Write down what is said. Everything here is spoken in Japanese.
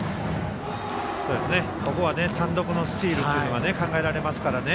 ここは単独のスチールが考えられますからね。